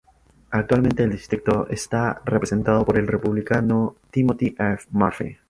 Actualmente el distrito está representado por el Republicano Timothy F. Murphy.